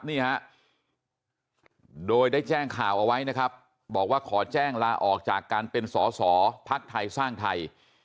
นี่ฮะโดยได้แจ้งข่าวเอาไว้นะครับบอกว่าขอแจ้งลาออกจากการเป็นสอสอภักดิ์ไทยสร้างไทย